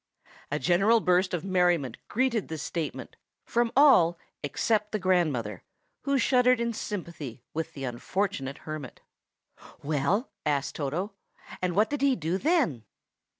A general burst of merriment greeted this statement, from all except the grandmother, who shuddered in sympathy with the unfortunate hermit. "Well?" asked Toto, "and what did he do then?"